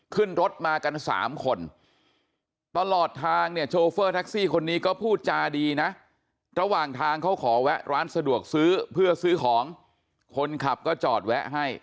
ขึ้นรถมากัน๓คนตลอดทางเนี่ยโชเฟอร์แท็กซี่คนนี้ก็พูดจาดีนะ